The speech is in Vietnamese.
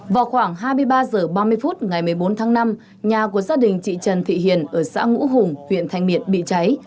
vào khoảng hai mươi ba h ba mươi phút ngày một mươi bốn tháng năm nhà của gia đình chị trần thị hiền ở xã ngũ hùng huyện thanh miện bị cháy